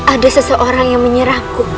ada seseorang yang menyerahku